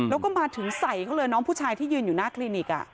แล้วก็มาถึงใส่เขาเลยน้องผู้ชายที่ยืนอยู่หน้าคลินิก